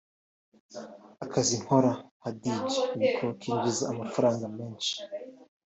Akazi nkora nka Dj niko kinjiza amafaranga menshi